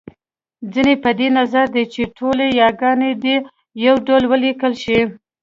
ځينې په دې نظر دی چې ټولې یاګانې دې يو ډول وليکل شي